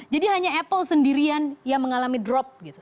jadi hanya apple sendirian yang mengalami drop gitu